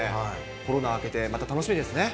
コロナ明けて、また楽しみですね。